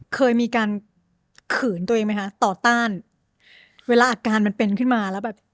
เคยมีการขืนตัวเองไหมคะต่อต้านเวลาอาการมันเป็นขึ้นมาแล้วแบบ